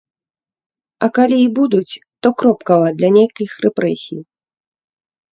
А калі і будуць, то кропкава для нейкіх рэпрэсій.